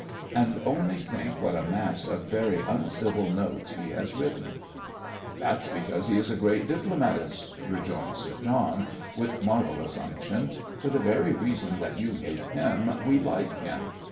And only think, what a mass of very uncivil notes he has written!" "That's because he is a great diplomatist!" rejoins Sir John, with marvellous unction. "For the very reason that you hate him we like him.